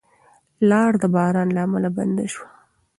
لار د باران له امله بنده شوه.